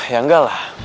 ya enggak lah